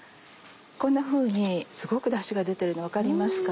こんなふうにすごくダシが出てるの分かりますか？